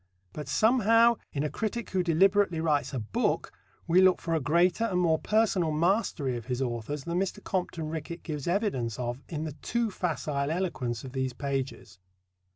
But somehow, in a critic who deliberately writes a book, we look for a greater and more personal mastery of his authors than Mr. Compton Rickett gives evidence of in the too facile eloquence of these pages.